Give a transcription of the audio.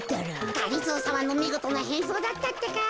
がりぞーさまのみごとなへんそうだったってか。